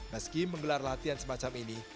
meski menggelar latihan semacam ini